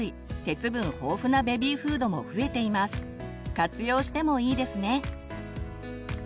活用してもいいですね。